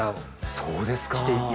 そうですか。